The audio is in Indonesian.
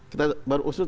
kita baru usut